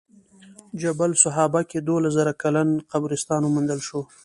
جبل سحابه کې دولس زره کلن قبرستان وموندل شو.